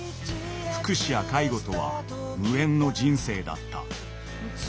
福祉や介護とは無縁の人生だった。